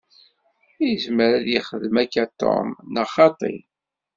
Izmer ad yexdem akka Tom, neɣ xaṭi?